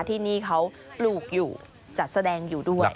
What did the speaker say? ที่นี่เขาปลูกอยู่จัดแสดงอยู่ด้วย